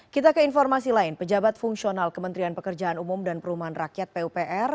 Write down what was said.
kita ke informasi lain pejabat fungsional kementerian pekerjaan umum dan perumahan rakyat pupr